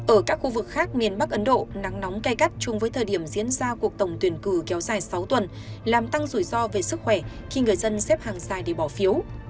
ở các khu vực khác miền bắc ấn độ nắng nóng cay gắt chung với thời điểm diễn ra cuộc tổng tuyển cử kéo dài sáu tuần làm tăng rủi ro về sức khỏe khi người dân xếp hàng dài để bỏ phiếu